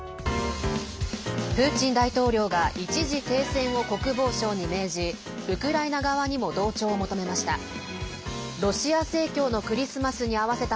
プーチン大統領が一時停戦を国防相に命じウクライナ側にも同調を求めました。